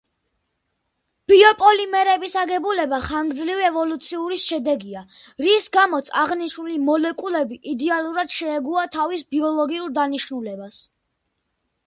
ბიოპოლიმერების აგებულება ხანგრძლივი ევოლუციური შედეგია, რის გამოც აღნიშნული მოლეკულები იდეალურად შეეგუა თავის ბიოლოგიურ დანიშნულებას.